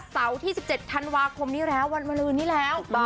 เสาร์ที่๑๗ธันวาคมนี้แล้ววันวลืนนี้แล้ว